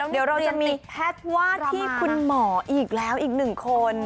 เดี๋ยวเราจะมีแพทย์วาดที่คุณหมออีกแล้วอีกหนึ่งคน